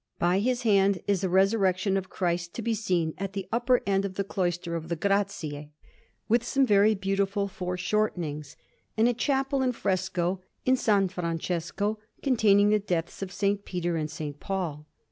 By his hand is a Resurrection of Christ to be seen at the upper end of the cloister of the Grazie, with some very beautiful foreshortenings; and a chapel in fresco in S. Francesco, containing the deaths of S. Peter and S. Paul.